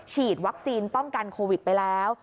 ฉีดวัคซีนป้องกันโควิดไปแล้ว